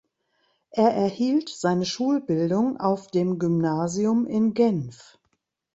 Er erhielt seine Schulbildung auf dem Gymnasium in Genf.